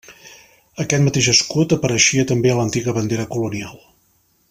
Aquest mateix escut apareixia també a l'antiga bandera colonial.